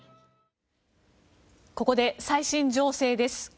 ここで最新情勢です。